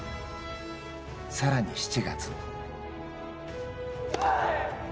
さらに７月。